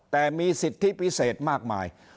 แต่มีสิทธิพิเศษมากมาย